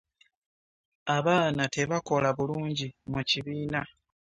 Abaana tebakola bulungi mu kibiina.